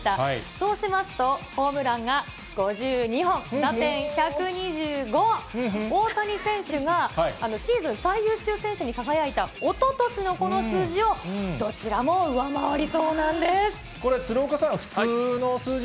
そうしますと、ホームランが５２本、打点１２５、大谷選手がシーズン最優秀選手に輝いたおととしのこの数字をどちこれ、鶴岡さん、普通の数字